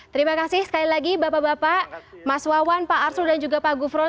terima kasih sekali lagi bapak bapak mas wawan pak arsul dan juga pak gufron